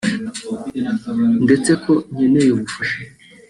ndetse ko nkeneye ubufasha